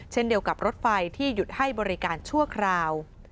เช่นเดียวกับรถไฟที่หยุดให้บริการชั่วคราว